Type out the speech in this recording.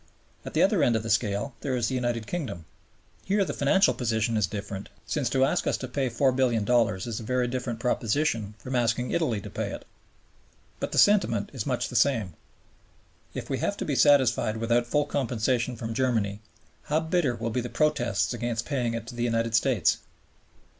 At the other end of the scale there is the United Kingdom. Here the financial position is different, since to ask us to pay $4,000,000,000 is a very different proposition from asking Italy to pay it. But the sentiment is much the same. If we have to be satisfied without full compensation from Germany, how bitter will be the protests against paying it to the United States.